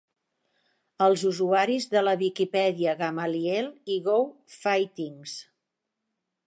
Els usuaris de la Wikipedia Gamaliel i Go Phightins!